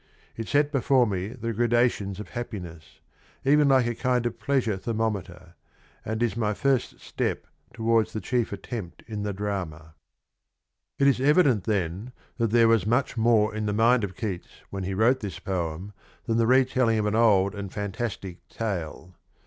It set before me the gradations of happiness, even like a kind of pleasure thermometer, and is my first step towards the chief attempt in the drama. "^ It is evident, then, that there was much more in the mind of Keats when he wrote this poem, than the re telling of an old and fantastic tale.